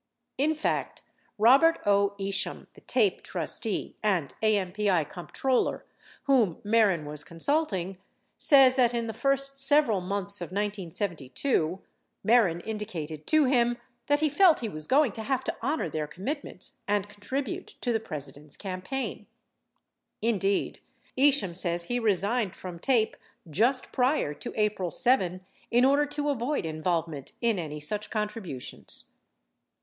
55 In fact, Robert O. Isham, the TAPE trustee and AMPI comptroller whom Mehren was consulting, says that in the first several months of 1972 Mehren indicated to him that he felt he was going to have to honor their commitments and contribute to the President's campaign. 56 Indeed, Isham says he resigned from TAPE just prior to April 7, in order to avoid involvement in any such contributions.